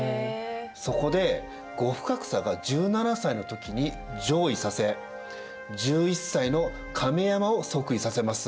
そこで後深草が１７歳の時に譲位させ１１歳の亀山を即位させます。